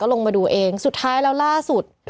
ลงมาดูเองสุดท้ายแล้วล่าสุด